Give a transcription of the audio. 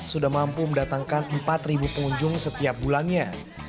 sudah mampu mendatangkan empat pengunjung setiap bulannya